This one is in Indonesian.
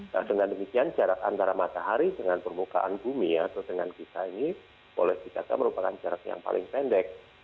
nah dengan demikian jarak antara matahari dengan permukaan bumi atau dengan kita ini boleh dikatakan merupakan jarak yang paling pendek